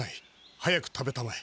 早く食べたまえ。